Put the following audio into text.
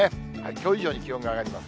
きょう以上に気温が上がります。